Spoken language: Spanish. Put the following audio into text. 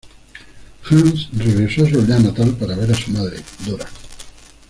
Hans regresó a su aldea natal para ver a su madre, Dora.